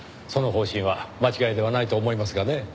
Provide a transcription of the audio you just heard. その方針は間違いではないと思いますがね。